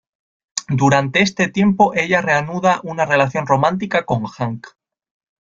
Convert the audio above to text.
Durante este tiempo, ella reanuda una relación romántica con Hank.